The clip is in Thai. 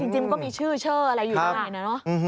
จริงก็มีชื่อเชื่ออะไรอยู่ด้วยเลยนะ